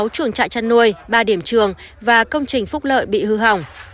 sáu chuồng trại chăn nuôi ba điểm trường và công trình phúc lợi bị hư hỏng